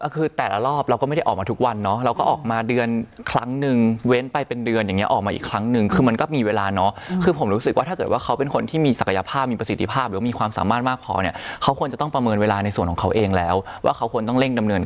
คือแต่ละรอบเราก็ไม่ได้ออกมาทุกวันเนาะเราก็ออกมาเดือนครั้งนึงเว้นไปเป็นเดือนอย่างนี้ออกมาอีกครั้งนึงคือมันก็มีเวลาเนาะคือผมรู้สึกว่าถ้าเกิดว่าเขาเป็นคนที่มีศักยภาพมีประสิทธิภาพหรือมีความสามารถมากพอเนี่ยเขาควรจะต้องประเมินเวลาในส่วนของเขาเองแล้วว่าเขาควรต้องเร่งดำเนิน